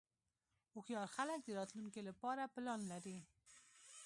هوښیار خلک د راتلونکې لپاره پلان لري.